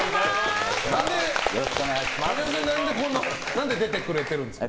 丸山さん何で出てくれてるんですか？